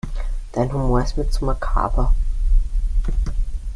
Dein Humor ist mir zu makaber.